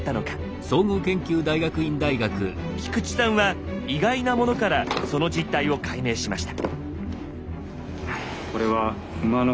菊地さんは意外なものからその実態を解明しました。